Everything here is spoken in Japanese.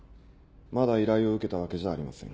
まだ依頼を受けたわけじゃありません。